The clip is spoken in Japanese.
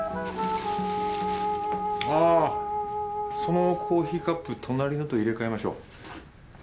ああそのコーヒーカップ隣のと入れ替えましょう。